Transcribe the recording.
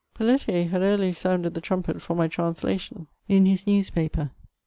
' Pelletier had eagerly sounded the tnimpet for my translation ' in liis newspaper.